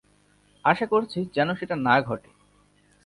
আশা করছি যেন সেটা না ঘটে।